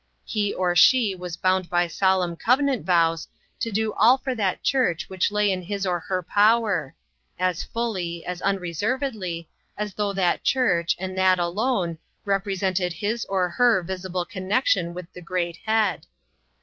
He or she was bound by solemn covenant vows to do all for that church which lay in his or her power; as fully, as unreservedly, as though that church, and that alone, represented his or her visible connection with the great Head.